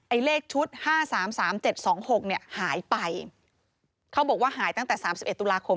เลขชุดห้าสามสามเจ็ดสองหกเนี่ยหายไปเขาบอกว่าหายตั้งแต่สามสิบเอ็ดตุลาคม